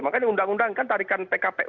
makanya di undang undang kan tarikan pkpu